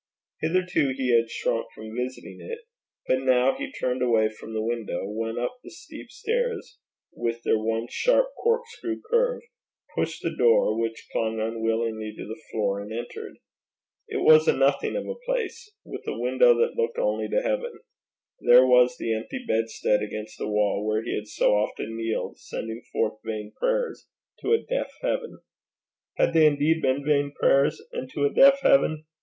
Hitherto he had shrunk from visiting it; but now he turned away from the window, went up the steep stairs, with their one sharp corkscrew curve, pushed the door, which clung unwillingly to the floor, and entered. It was a nothing of a place with a window that looked only to heaven. There was the empty bedstead against the wall, where he had so often kneeled, sending forth vain prayers to a deaf heaven! Had they indeed been vain prayers, and to a deaf heaven?